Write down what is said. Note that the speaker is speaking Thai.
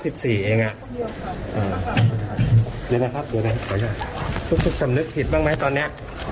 พี่ผู้ชมนึกผิดบ้างไหมตอนนี้